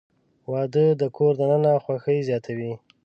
• واده د کور دننه خوښي زیاتوي.